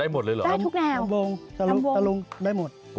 ได้หมดเลยได้ถึงแนวนำวงนำวงได้หมด